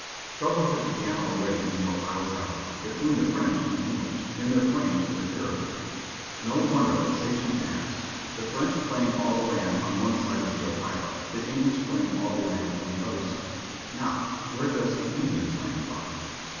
Trouble had begun already in the Ohio valley, between the French and English, in their claims to the territory. No wonder a sachem asked, "The French claim all the land on one side of the Ohio, the English claim all the land on the other side now, where does the Indians' land lie?"